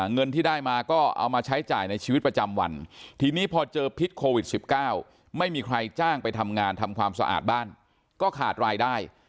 เงินที่ได้มาก็เอามาใช้จ่ายในชีวิตประจำวันทีนี้พอเจอพิษโควิด๑๙ไม่มีใครจ้างไปทำงานทำความสะอาดบ้านก็ขาดรายได้